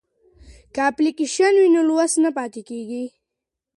که اپلیکیشن وي نو لوست نه پاتیږي.